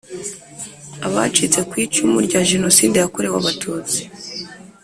abcitse ku icumu rya Jenoside yakorewe Abatutsi